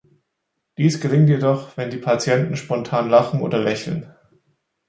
Dies gelingt jedoch, wenn die Patienten spontan lachen oder lächeln.